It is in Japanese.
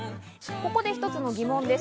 ここで一つの疑問です。